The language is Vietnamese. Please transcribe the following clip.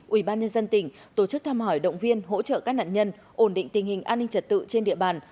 ủy ban nhân dân tỉnh tổ chức tham hỏi động viên hỗ trợ các nạn nhân ổn định tình hình an ninh trật tự trên địa bàn